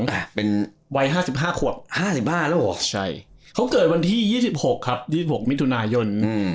แต่เป็นวัย๕๕ขวบ๕๕แล้วเหรอใช่เขาเกิดวันที่๒๖ครับ๒๖มิถุนายน